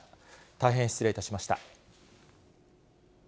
大変失礼いたしました。